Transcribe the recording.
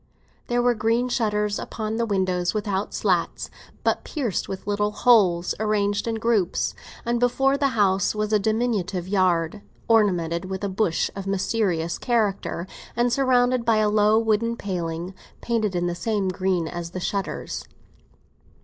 There were green shutters upon the windows, without slats, but pierced with little holes, arranged in groups; and before the house was a diminutive yard, ornamented with a bush of mysterious character, and surrounded by a low wooden paling, painted in the same green as the shutters.